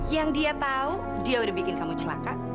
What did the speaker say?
yang dia tahu dia udah bikin kamu celaka